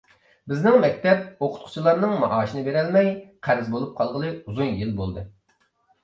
بىزنىڭ مەكتەپ ئوقۇتقۇچىلارنىڭ مائاشىنى بېرەلمەي، قەرز بولۇپ قالغىلى ئۇزۇن يىل بولدى.